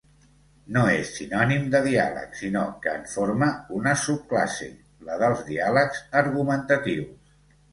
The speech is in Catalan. No és sinònim de diàleg, sinó que en forma una subclasse, la dels diàlegs argumentatius.